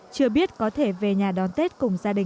chưa biết có thể về nhà đón tết cùng giai đoạn